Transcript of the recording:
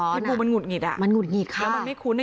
บูมันหุดหงิดอ่ะมันหุดหงิดค่ะแล้วมันไม่คุ้นอ่ะ